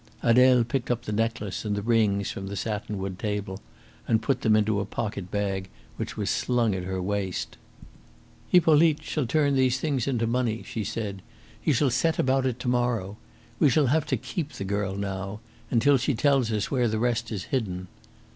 Adele picked up the necklace and the rings from the satin wood table and put them into a pocket bag which was slung at her waist. "Hippolyte shall turn these things into money," she said. "He shall set about it to morrow. We shall have to keep the girl now until she tells us where the rest is hidden."